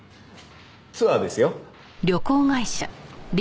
ツアーですよ。